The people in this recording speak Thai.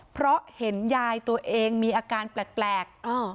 เพราะเห็นยายตัวเองมีอาการแปลก